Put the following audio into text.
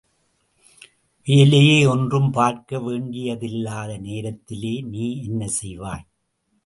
வேலையே ஒன்றும் பார்க்கவேண்டியதில்லாத நேரத்திலே நீ என்ன செய்வாய்?